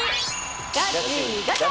ガチガチャ！